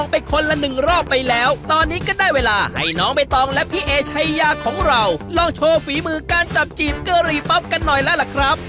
ผัดมาตะกี้นะครับ